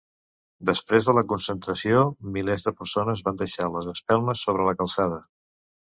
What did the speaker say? Després de la concentració, milers de persones van deixar les espelmes sobre la calçada.